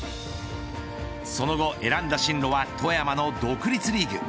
その後選んだ進路は富山の独立リーグ。